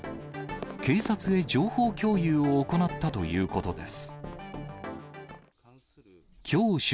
警察へ情報共有を行ったということです。